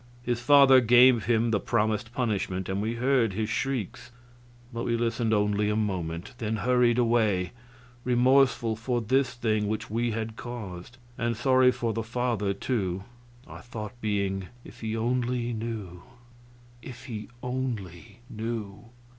His father gave him the promised punishment, and we heard his shrieks. But we listened only a moment, then hurried away, remorseful for this thing which we had caused. And sorry for the father, too; our thought being, "If he only knew if he only knew!"